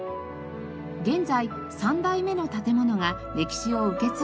現在３代目の建物が歴史を受け継いでいます。